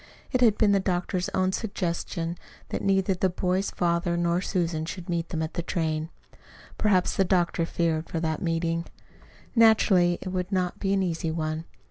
It had been the doctor's own suggestion that neither the boy's father nor Susan should meet them at the train. Perhaps the doctor feared for that meeting. Naturally it would not be an easy one.